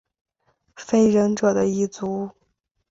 非人者的一族。